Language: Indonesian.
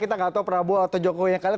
kita nggak tahu prabowo atau jokowi yang kalah